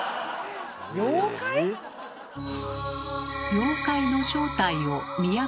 妖怪？